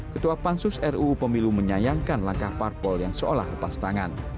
ketua pansus ruu pemilu menyayangkan langkah parpol yang seolah lepas tangan